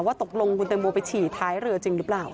ตกลงคุณแตงโมไปฉี่ท้ายเรือจริงหรือเปล่า